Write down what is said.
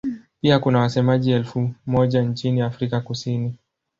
Pia kuna wasemaji elfu moja nchini Afrika Kusini.